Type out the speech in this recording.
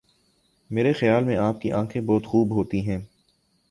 میری خیال سے آپ کی آنکھیں بہت خوب ہوتی ہیں.